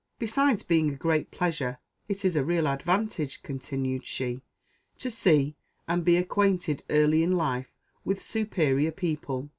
"Besides being a great pleasure, it is a real advantage," continued she, "to see and be acquainted early in life with superior people.